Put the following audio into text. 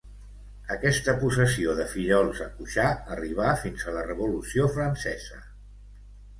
Aquesta possessió de Fillols a Cuixà arribà fins a la Revolució Francesa.